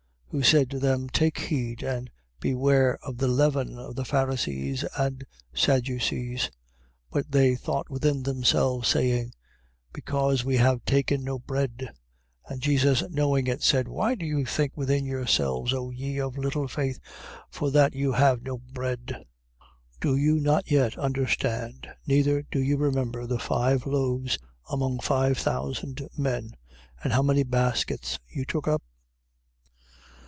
16:6. Who said to them: Take heed and beware of the leaven of the Pharisees and Sadducees. 16:7. But they thought within themselves, saying: Because we have taken no bread. 16:8. And Jesus knowing it, said: Why do you think within yourselves, O ye of little faith, for that you have no bread? 16:9. Do you not yet understand, neither do you remember the five loaves among five thousand men, and how many baskets you took up?